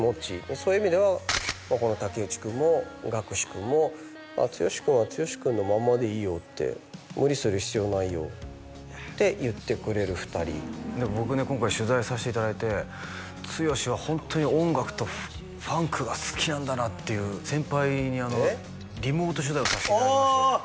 そういう意味ではこの竹内君もＧａｋｕｓｈｉ君も「剛君は剛君のまんまでいいよ」って「無理する必要ないよ」って言ってくれる２人でも僕ね今回取材させていただいて「剛はホントに音楽とファンクが好きなんだな」っていう先輩にリモート取材をさせていただきましてああ！